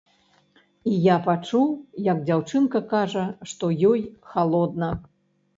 І я пачуў, як дзяўчынка кажа, што ёй халодна.